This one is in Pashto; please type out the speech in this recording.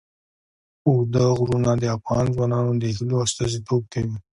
اوږده غرونه د افغان ځوانانو د هیلو استازیتوب کوي.